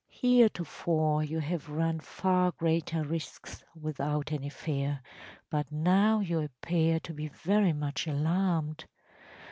Heretofore you have run far greater risks without any fear, but now you appear to be very much alarmed.